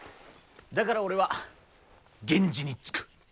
だから俺は源氏につく。